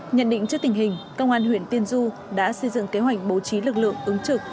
nhận định trước tình hình công an huyện tiên du đã xây dựng kế hoạch bố trí lực lượng ứng trực